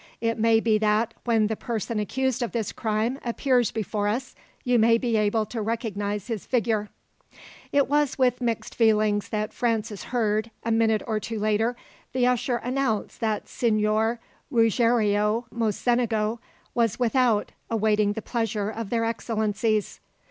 It may be that, when the person accused of this crime appears before us, you may be able to recognize his figure." It was with mixed feelings that Francis heard, a minute or two later, the usher announce that Signor Ruggiero Mocenigo was without, awaiting the pleasure of their excellencies.